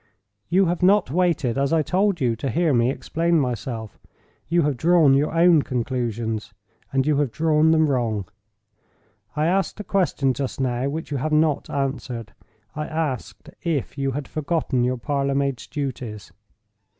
You have not waited as I told you, to hear me explain myself. You have drawn your own conclusions, and you have drawn them wrong. I asked a question just now, which you have not answered—I asked if you had forgotten your parlor maid's duties?"